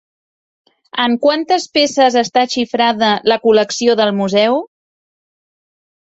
En quantes peces està xifrada la col·lecció del museu?